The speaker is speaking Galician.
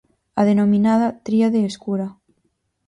A denominada 'tríade escura'.